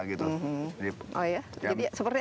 gitu oh ya jadi seperti